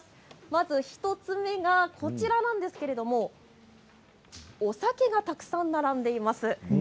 まず１つ目がこちらなんですけれどお酒がたくさん並んでいます。